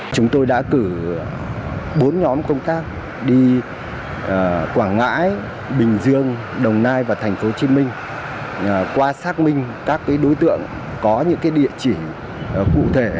chúng tôi đã cử bốn nhóm công tác đi quảng ngãi bình dương đồng nai và tp hcm qua xác minh các đối tượng có những địa chỉ cụ thể